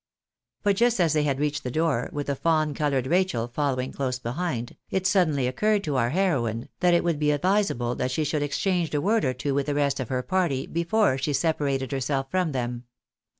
But just as they had reached the door, with the fawn coloured Rachel following close behind, it suddenly occurred to GUI' heroine that it would be advisable that she should exchange a word or two with the rest of her party before she separated herself from them.